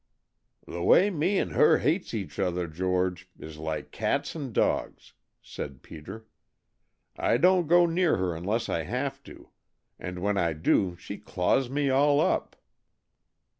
"The way me and her hates each other, George, is like cats and dogs," said Peter. "I don't go near her unless I have to, and when I do she claws me all up."